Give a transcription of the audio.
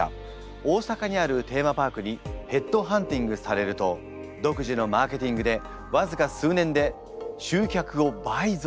大阪にあるテーマパークにヘッドハンティングされると独自のマーケティングでわずか数年で集客を倍増。